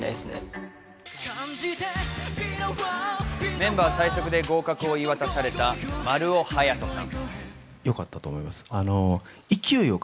メンバー最速で合格を言い渡された丸尾隼さん。